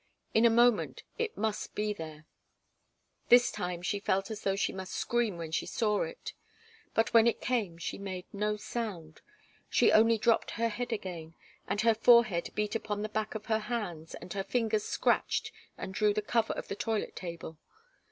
In a moment it must be there. This time she felt as though she must scream when she saw it. But when it came she made no sound. She only dropped her head again, and her forehead beat upon the back of her hands and her fingers scratched and drew the cover of the toilet table.